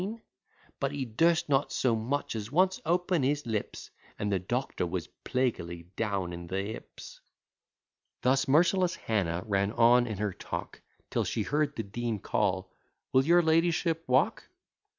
But he durst not so much as once open his lips, And the doctor was plaguily down in the hips." Thus merciless Hannah ran on in her talk, Till she heard the Dean call, "Will your ladyship walk?"